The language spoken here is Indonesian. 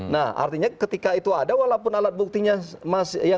nah artinya ketika itu ada walaupun alat buktinya